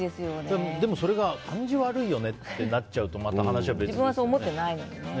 でもそれが感じ悪いよねってなっちゃうとまた話は別ですよね。